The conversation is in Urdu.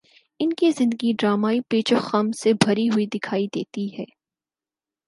ان کی زندگی ڈرامائی پیچ و خم سے بھری ہوئی دکھائی دیتی ہے۔